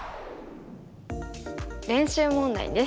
練習問題です。